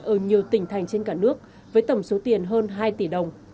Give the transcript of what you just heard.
ở nhiều tỉnh thành trên cả nước với tổng số tiền hơn hai tỷ đồng